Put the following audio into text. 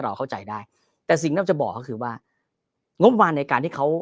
เราเข้าใจได้แต่สิ่งที่เราจะบอกก็คือว่างบวานในการที่เขา